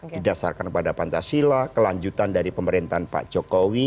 didasarkan pada pancasila kelanjutan dari pemerintahan pak jokowi